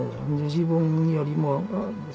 自分よりも。